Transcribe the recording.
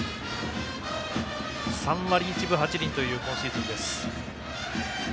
３割１分８厘という今シーズン。